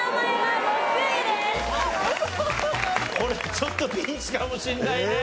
これちょっとピンチかもしれないね。